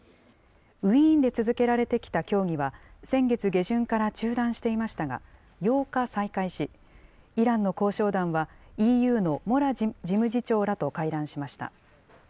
ウィーンで続けられてきた協議は、先月下旬から中断していましたが、８日再開し、イランの交渉団は、ＥＵのモラ事務次長らと会談しました。